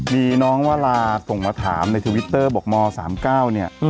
มีน้องวาลาส่งมาถามในทวิตเตอร์บอกม๓๙เนี่ย